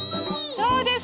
そうです。